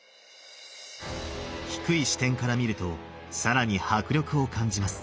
低い視点から見ると更に迫力を感じます。